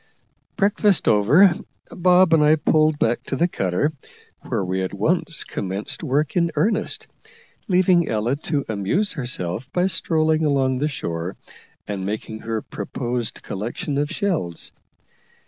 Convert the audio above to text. Breakfast over, Bob and I pulled back to the cutter, where we at once commenced work in earnest, leaving Ella to amuse herself by strolling along the shore and making her proposed collection of shells.